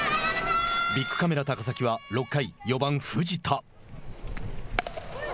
ビックカメラ高崎は６回４番藤田。